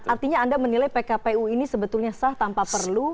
artinya anda menilai pkpu ini sebetulnya sah tanpa perlu